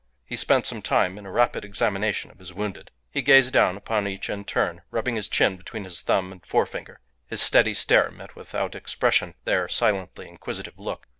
He spent some time in a rapid examination of his wounded. He gazed down upon each in turn, rubbing his chin between his thumb and forefinger; his steady stare met without expression their silently inquisitive look.